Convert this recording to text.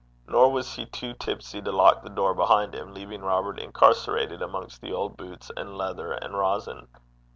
Nor was he too tipsy to lock the door behind him, leaving Robert incarcerated amongst the old boots and leather and rosin.